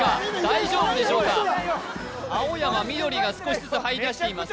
青山緑が少しずつ入りだしています